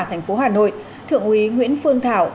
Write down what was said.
thành phố hà nội thượng úy nguyễn phương thảo